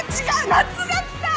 夏が来た！